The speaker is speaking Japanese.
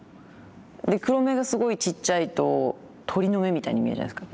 で黒目がすごいちっちゃいと鳥の目みたいに見えるじゃないですか。